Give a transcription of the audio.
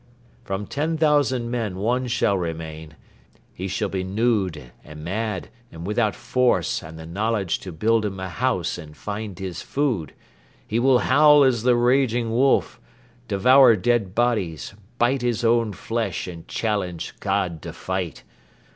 ... From ten thousand men one shall remain; he shall be nude and mad and without force and the knowledge to build him a house and find his food. ... He will howl as the raging wolf, devour dead bodies, bite his own flesh and challenge God to fight.